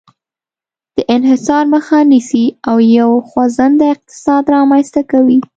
د انحصار مخه نیسي او یو خوځنده اقتصاد رامنځته کوي.